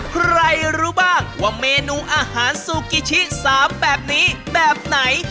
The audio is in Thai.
ใครรู้บ้างว่าเมนูอาหารซูกิชิ๓แบบนี้แบบไหน